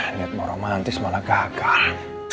niat mau romantis malah gagal